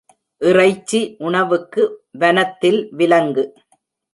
இறைச்சி உணவுக்கு, வனத்தில் விலங்கு!